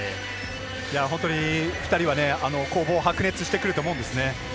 本当に２人は攻防白熱してくると思うんですね。